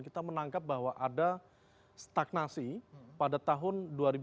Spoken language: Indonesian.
kita menangkap bahwa ada stagnasi pada tahun dua ribu tujuh belas dua ribu delapan belas